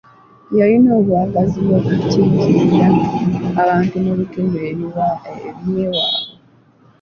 Yalina obwagazi bw'okukiikirira abantu mu bitundu by'ewaabwe.